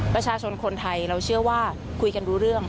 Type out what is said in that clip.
ประชาชนคนไทยเราเชื่อว่าคุยกันรู้เรื่อง